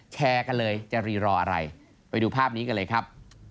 แชร์กันเลยจะรีรออะไรไปดูภาพนี้กันเลยครับ